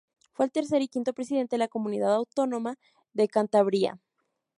Fue el tercer y quinto presidente de la comunidad autónoma de Cantabria.